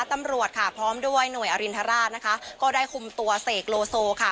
ตำรวจค่ะพร้อมด้วยหน่วยอรินทราชนะคะก็ได้คุมตัวเสกโลโซค่ะ